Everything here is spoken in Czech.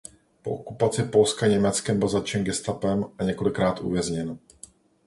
Po okupaci Polska Německem byl zatčen Gestapem a několikrát uvězněn.